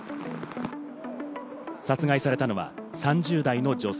殺害されたのは３０代の女性。